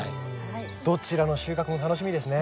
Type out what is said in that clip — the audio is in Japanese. どちらの収穫も楽しみですね。